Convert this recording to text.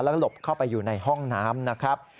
หลบเข้าไปอยู่ในห้องน้ำนะครับ